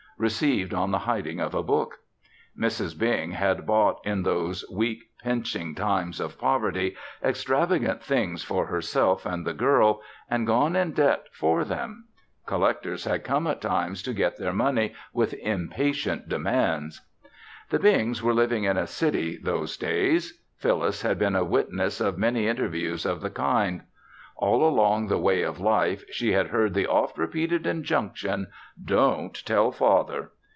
received on the hiding of a book. Mrs. Bing had bought, in those weak, pinching times of poverty, extravagant things for herself and the girl and gone in debt for them. Collectors had come at times to get their money with impatient demands. The Bings were living in a city those days. Phyllis had been a witness of many interviews of the kind. All along the way of life, she had heard the oft repeated injunction, "Don't tell father!"